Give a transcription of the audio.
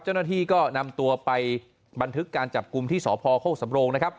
เจ้าหน้าที่ก็นำตัวไปบันทึกการจับกลุ่มที่สพโคกสำโรงนะครับ